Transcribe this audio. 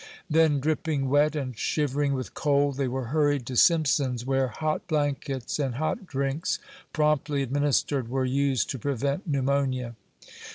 Then, dripping wet, and shivering with cold, they were hurried to Simpson's, where hot blankets and hot drinks promptly administered were used to prevent pneumonia.